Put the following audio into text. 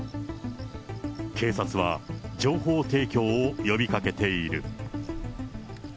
警察は、情報提供を呼びかけている。